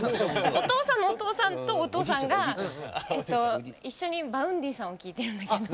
お父さんのお父さんとお父さんが一緒にＶａｕｎｄｙさんを聴いてるんだけど。